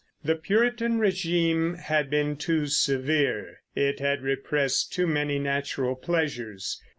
The Puritan régime had been too severe; it had repressed too many natural pleasures.